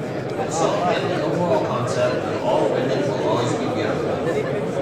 The song had the overall concept of "all women will always be beautiful".